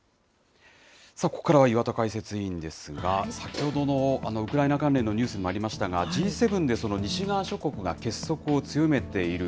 ここからは岩田解説委員ですが、先ほどのウクライナ関連のニュースにもありましたが、Ｇ７で西側諸国が結束を強めている。